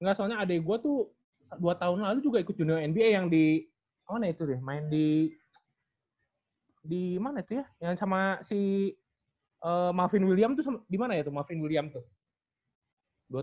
enggak soalnya adek gue tuh dua tahun lalu juga ikut jurnal nba yang di gimana itu deh yang main di dimana itu ya yang sama si marvin william tuh dimana ya tuh marvin william tuh